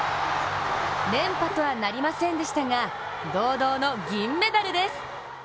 連覇とはなりませんでしたが堂々の銀メダルです。